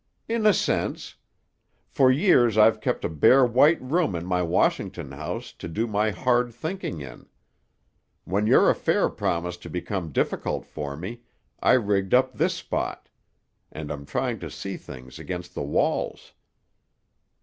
"In a sense. For years I've kept a bare white room in my Washington house to do my hard thinking in. When your affair promised to become difficult for me, I rigged up this spot. And I'm trying to see things against the walls."